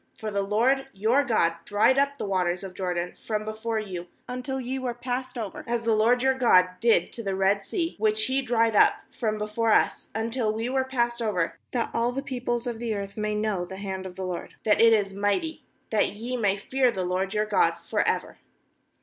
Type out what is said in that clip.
^For the LORD your God dried up the waters of Jordan from before you, until ye were passed over, as the LORD your God did to the Red Sea, which He dried up from before us, until we were passed over, ^hat all the peoples of the earth may, know the hand of the LORD, that it is' mighty; that ye may fear the LORD your God for ever.'